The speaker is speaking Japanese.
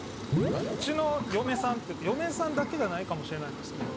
うちの嫁さん嫁さんだけじゃないかもしれないんですけど。